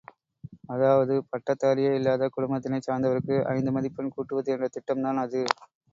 அதாவது பட்டதாரியே இல்லாத குடும்பத்தினைச் சார்ந்தவருக்கு ஐந்து மதிப்பெண் கூட்டுவது என்ற திட்டம்தான் அது.